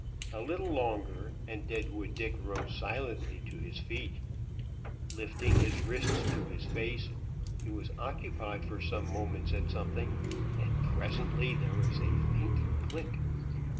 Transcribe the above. A little longer, and Deadwood Dick rose silently to his feet. Lifting his wrists to his face, he was occupied for some moments at something, and presently there was a faint click.